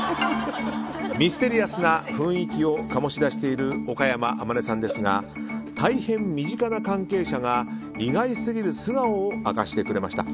ミステリアスな雰囲気を醸し出している岡山天音さんですが大変、身近な関係者が意外すぎる素顔を明かしてくれました。